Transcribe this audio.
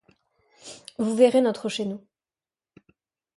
Vous verrez notre chez nous.